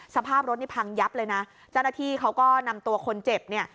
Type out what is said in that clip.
สภาพรถนี่พังยับเลยนะเจ้าหน้าที่เขาก็นำตัวคนเจ็บเนี่ย